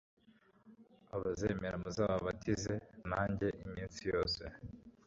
abazemera muzababatize, nanjye iminsi yose